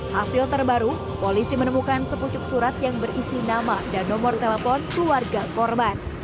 hasil terbaru polisi menemukan sepucuk surat yang berisi nama dan nomor telepon keluarga korban